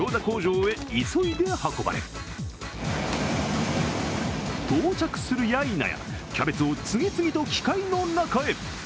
工場へ急いで運ばれ到着するやいなや、キャベツを次々と機械の中へ。